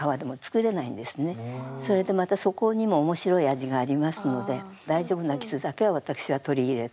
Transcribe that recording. それでまたそこにも面白い味がありますので大丈夫な傷だけは私は取り入れて。